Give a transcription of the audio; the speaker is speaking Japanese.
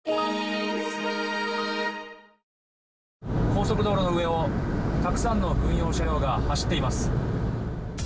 高速道路の上をたくさんの軍用車両が走っています。